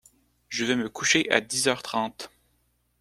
Je vais me coucher à dix heures trente.